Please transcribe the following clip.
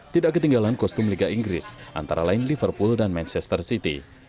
tidak ketinggalan kostum liga inggris antara lain liverpool dan manchester city